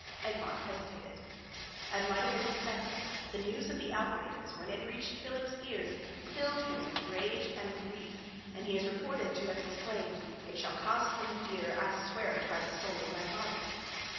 Egmont hesitated. As might have been expected, the news of the outrages, when it reached Philip's ears, filled him with rage and grief; and he is reported to have exclaimed, "It shall cost them dear. I swear it by the soul of my father."